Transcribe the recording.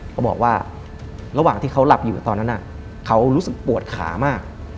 เขาบอกว่าระหว่างที่เขาหลับอยู่ตอนนั้นเขารู้สึกปวดขามาก